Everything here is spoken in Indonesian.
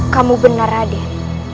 kamu benar raden